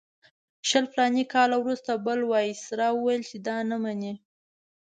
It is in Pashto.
شل فلاني کاله وروسته بل وایسرا وویل چې دا نه مني.